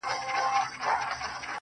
شراب ترخه ترخو ته دي، و موږ ته خواږه.